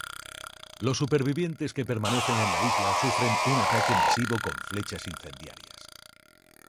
Los supervivientes que permanecen en la isla sufren un ataque masivo con flechas incendiarias.